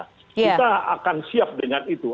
kita akan siap dengan itu